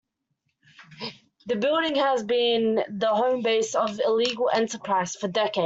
The building has been the home base of the illegal enterprise for decades.